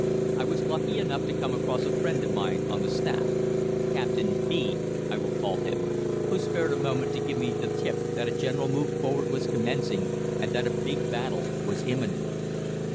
I was lucky enough to come across a friend of mine on the staff Captain B , I will call him who spared a moment to give me the tip that a general move forward was commencing, and that a big battle was imminent.